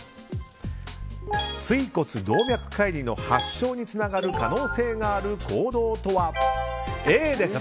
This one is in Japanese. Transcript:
椎骨動脈解離の発症につながる可能性がある行動とはＡです。